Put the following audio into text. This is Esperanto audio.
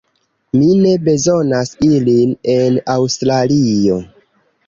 Mi ne bezonas ilin en Aŭstralio